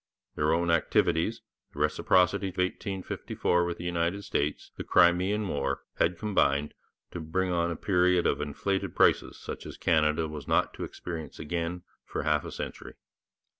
Their own activities, the Reciprocity Treaty of 1854 with the United States, the Crimean War, had combined to bring on a period of inflated prices such as Canada was not to experience again for half a century.